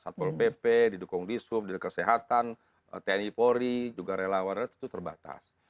satpol pp di dukung disum di kesehatan tni polri juga relawan itu terbatas